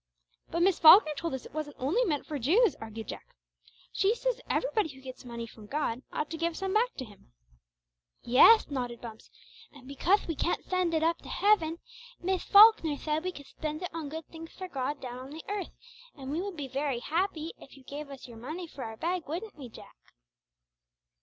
"But Miss Falkner told us it wasn't only meant for Jews," argued Jack. "She says everybody who gets money from God ought to give back some to Him." "Yeth," nodded Bumps; "and becauth we can't send it up to heaven, Miss Falkner thaid we could thpend it on good things for God down on the earth, and we would be very happy if you gave us your money for our bag, wouldn't we, Jack?"